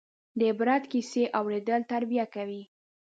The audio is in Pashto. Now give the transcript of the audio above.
د عبرت کیسې اورېدل تربیه کوي.